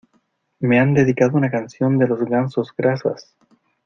¡Me han dedicado una canción de los Gansos Grasas!